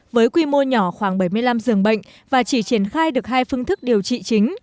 với quy mô nhỏ khoảng bảy mươi năm giường bệnh và chỉ triển khai được hai phương thức điều trị chính